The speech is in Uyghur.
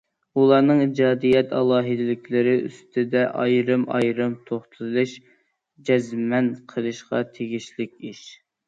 ئۇلارنىڭ ئىجادىيەت ئالاھىدىلىكلىرى ئۈستىدە ئايرىم- ئايرىم توختىلىش جەزمەن قىلىشقا تېگىشلىك ئىش.